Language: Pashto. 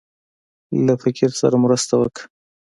له فقير سره مرسته وکړه.